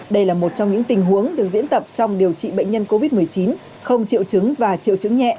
đây là một trong những tình huống được diễn tập trong điều trị bệnh nhân covid một mươi chín không triệu chứng và triệu chứng nhẹ